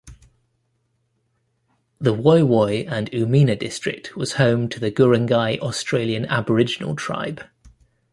The Woy Woy and Umina district was home to the Guringai Australian Aboriginal tribe.